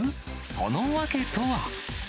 その訳とは。